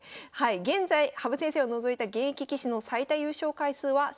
現在羽生先生を除いた現役棋士の最多優勝回数は３回となります。